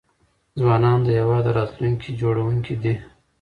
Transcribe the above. ځوانان د هيواد راتلونکي جوړونکي دي .